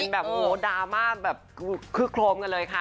แบบโอ้โหดราม่าแบบคึกโครมกันเลยค่ะ